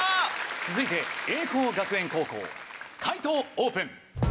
続いて栄光学園高校解答オープン。